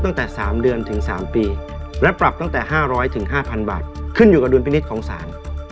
เป็นเน็ตของสารโอ้โหโทษหนักขนาดนั้นเลยเหรอคะ